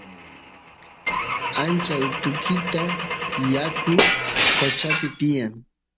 ancha utukita yaku qochapi tiyan